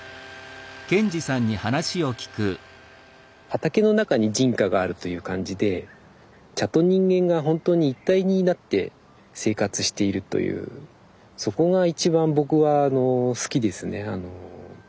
畑の中に人家があるという感じで茶と人間がほんとに一体になって生活しているというそこが一番僕は好きですね。